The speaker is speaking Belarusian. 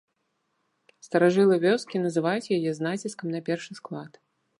Старажылы вёскі называюць яе з націскам на першы склад.